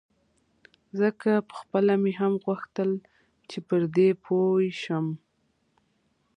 ځکه پخپله مې هم غوښتل چې پر دې پوی شم.